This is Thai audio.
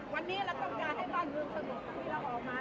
วันนี้เราต้องการให้บ้านเมืองสงบคุยเราออกมา